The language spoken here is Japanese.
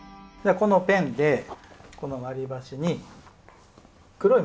このペンでこの割り箸に黒い丸をかきます。